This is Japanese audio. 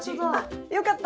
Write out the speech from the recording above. よかった。